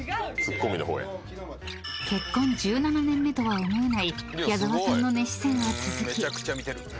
［結婚１７年目とは思えない矢沢さんの熱視線は続き］